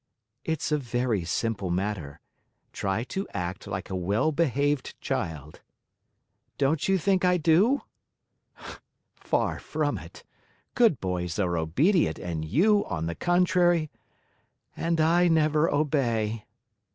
"It's a very simple matter. Try to act like a well behaved child." "Don't you think I do?" "Far from it! Good boys are obedient, and you, on the contrary " "And I never obey."